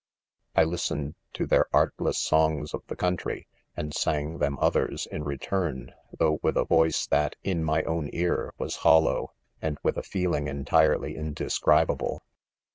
I 1 listened to their artless songs of the country, and sang them others, in return, though with a voice that, in my own ear, was hollow, and with a feeling entirely indescri bable.